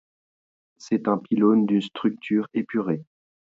C'est un pylône d'une structure épurée.